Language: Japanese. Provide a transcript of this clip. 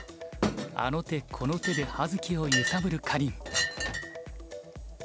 あの手この手で葉月を揺さぶるかりん。